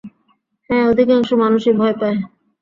হ্যাঁ, অধিকাংশ মানুষই ভয় পায়।